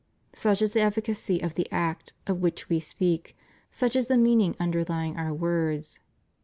Such is the efficacy of the act of which We speak, such is the meaning underlying Our words.